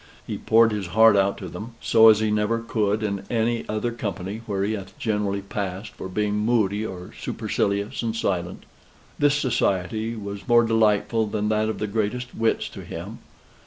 He poured his heart out to them, so as he never could in any other company, where he hath generally passed for being moody, or supercilious and silent. This society was more delightful than that of the greatest wits to him.